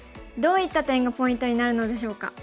どういった点がポイントになるのでしょうか。